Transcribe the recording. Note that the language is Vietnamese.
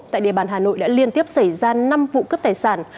tại địa bàn hà nội đã liên tiếp xảy ra năm vụ cướp tài sản